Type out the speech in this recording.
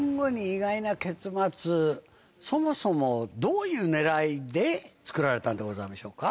そもそもどういう狙いで作られたんでございましょうか？